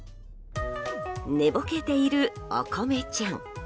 寝ぼけている、おこめちゃん。